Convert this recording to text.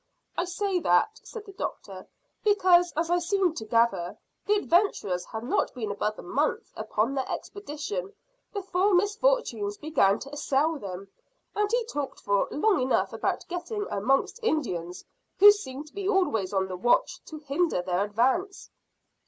"I say that," said the doctor, "because, as I seemed to gather, the adventurers had not been above a month upon their expedition before misfortunes began to assail them, and he talked for long enough about getting amongst Indians who seemed to be always on the watch to hinder their advance."